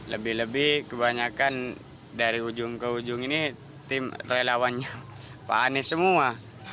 lebih lebih kebanyakan dari ujung ke ujung ini tim relawannya pak anies semua